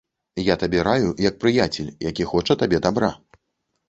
Я табе раю як прыяцель, які хоча табе дабра.